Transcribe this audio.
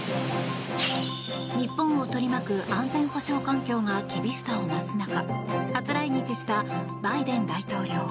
日本を取り巻く安全保障環境が厳しさを増す中初来日したバイデン大統領。